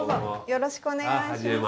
よろしくお願いします。